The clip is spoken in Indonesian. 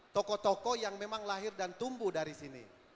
toko toko yang memang lahir dan tumbuh dari sini